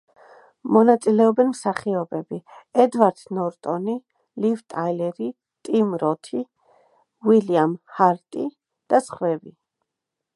მონაწილეობენ მსახიობები: ედვარდ ნორტონი, ლივ ტაილერი, ტიმ როთი, უილიამ ჰარტი და სხვები.